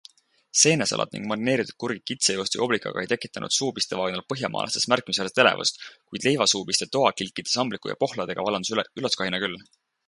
Seenesalat ning marineeritud kurgid kitsejuustu ja oblikaga ei tekitanud suupistevaagnal põhjamaalastes märkimisväärset elevust, kuid leivasuupiste toakilkide, sambliku ja pohladega vallandas üllatuskahina küll.